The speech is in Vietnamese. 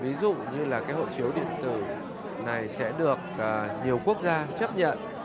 ví dụ như là cái hộ chiếu điện tử này sẽ được nhiều quốc gia chấp nhận